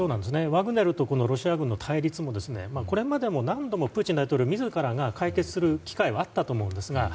ワグネルとロシア軍の対立もこれまで何度もプーチン大統領自らが解決する機会はあったと思うんですが